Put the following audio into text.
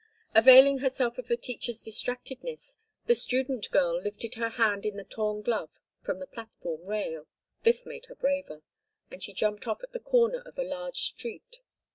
Availing herself of the teacher's distractedness, the student girl lifted her hand in the torn glove from the platform rail—this made her braver—and she jumped off at the corner of a large street.